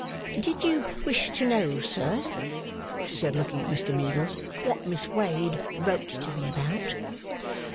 'Did you wish to know, sir,' she said, looking at Mr Meagles, 'what Miss Wade wrote to me about?